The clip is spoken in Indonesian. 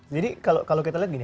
jadi kalau kita lihat gini